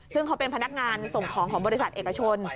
ซึ่งเขาเป็นพนักงานส่งของของบริษัทเอกชน